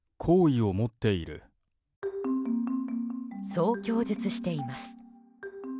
そう供述しています。